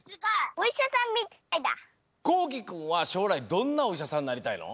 こうきくんはしょうらいどんなおいしゃさんになりたいの？